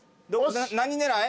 何狙い？